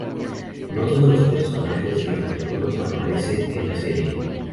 No todos los personajes de los videojuegos aparecerán en la serie.